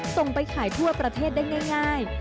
ส่งไปขายทั่วประเทศได้ง่าย